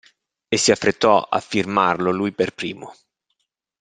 E si affrettò a firmarlo, lui pel primo.